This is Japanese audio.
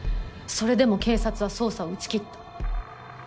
それでも警察は捜査を打ち切った。